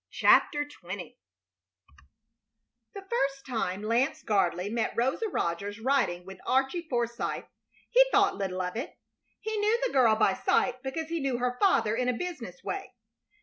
CHAPTER XX The first time Lance Gardley met Rosa Rogers riding with Archie Forsythe he thought little of it. He knew the girl by sight, because he knew her father in a business way.